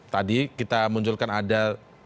tadi kita munculkan ada